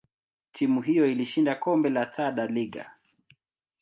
timu hiyo ilishinda kombe la Taa da Liga.